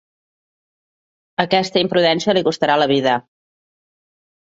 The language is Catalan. Aquesta imprudència li costarà la vida.